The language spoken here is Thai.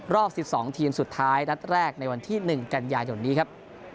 รอบ๑๒ทีมสุดท้ายนัดแรกในวันที่๑กันยายนนี้ครับ